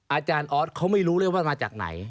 อาจารย์ออสเขาไม่รู้เลยว่ามาจากไหน